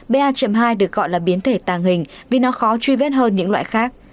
ba hai được gọi là biến thể tàng hình vì nó khó truy vết hơn những loại khác